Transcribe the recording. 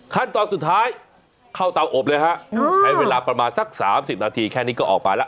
ขั้นตอนสุดท้ายเข้าเตาอบเลยฮะใช้เวลาประมาณสัก๓๐นาทีแค่นี้ก็ออกไปแล้ว